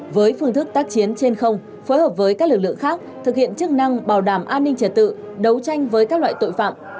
với phương thức tác chiến trên không phối hợp với các lực lượng khác thực hiện chức năng bảo đảm an ninh trật tự đấu tranh với các loại tội phạm